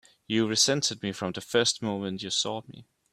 You've resented me from the first moment you saw me!